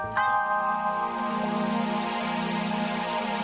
mas nih kenyap